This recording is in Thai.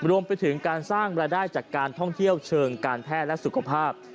รวมไปถึงการสร้างรายได้จากการท่องเที่ยวเชิงการแพทย์และสุขภาพ